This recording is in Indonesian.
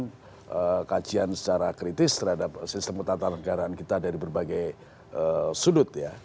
melakukan kajian secara kritis terhadap sistem ketatanegaraan kita dari berbagai sudut ya